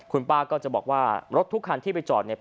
คุณป้าก็จะบอกว่ารถทุกคันที่ไปจอดเนี่ย